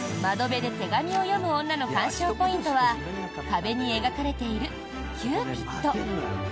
「窓辺で手紙を読む女」の鑑賞ポイントは壁に描かれているキューピッド。